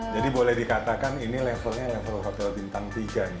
jadi boleh dikatakan ini levelnya level hotel bintang tiga nih pak